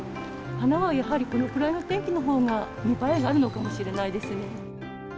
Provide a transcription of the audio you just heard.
花はやはりこのくらいの天気のほうが、見栄えがいいのかもしれないですね。